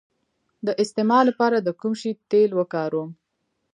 د استما لپاره د کوم شي تېل وکاروم؟